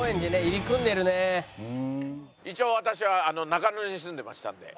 一応私は中野に住んでましたので。